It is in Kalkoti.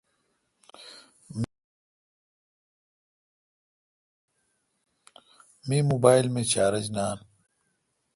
می موبایل مے چارج نان۔